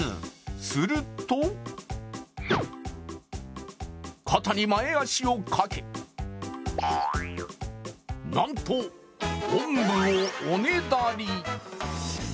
すると肩に前足をかけ、なんとおんぶをおねだり。